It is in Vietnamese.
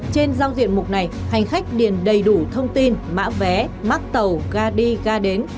trên giao diện mục này hành khách điền đầy đủ thông tin mã vé mắc tàu ga đi ga đến